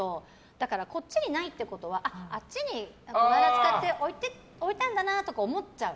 だから、こっちにないってことはあっちに、使って置いたんだなとか思っちゃう。